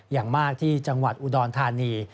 อย่างมากที่จังหวัดอุดรธานี